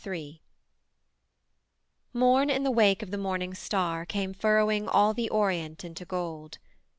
III Morn in the wake of the morning star Came furrowing all the orient into gold.